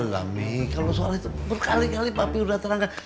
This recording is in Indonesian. alami kalau soal itu berkali kali pak pi udah terangkan